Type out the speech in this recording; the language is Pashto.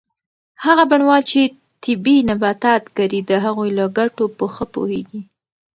هغه بڼوال چې طبي نباتات کري د هغوی له ګټو په ښه پوهیږي.